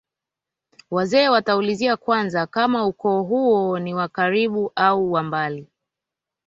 wazee wataulizia kwanza kama ukoo huo ni wa karibu au wa mbali